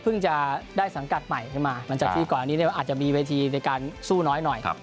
เพิ่งจะได้สังกัดใหม่มาหลังจากที่ก่อนอันนี้เนี่ยอาจจะมีวิธีในการสู้น้อย